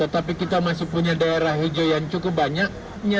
tapi kita masih punya daerah hijau yang cukup banyak